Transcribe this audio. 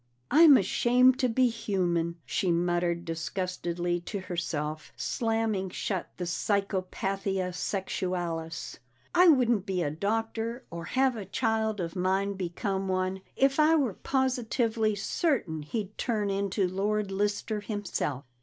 "I'm ashamed to be human!" she muttered disgustedly to herself, slamming shut the Psychopathia Sexualis. "I wouldn't be a doctor, or have a child of mine become one, if I were positively certain he'd turn into Lord Lister himself!